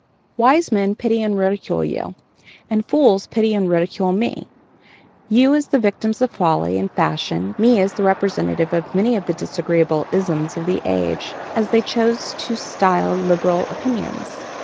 Wise men pity and ridicule you, and fools pity and ridicule me you as the victims of folly and fashion, me as the representative of many of the disagreeable 'isms' of the age, as they choose to style liberal opinions.